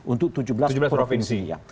untuk tujuh belas provinsi